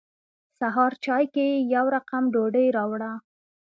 سهار چای کې یې يو رقم ډوډۍ راوړه.